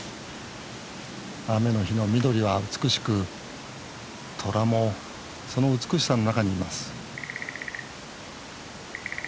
雨の日の緑は美しくトラもその美しさの中にいます